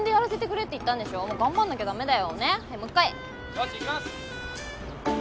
よしいきます！